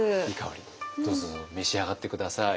どうぞ召し上がって下さい。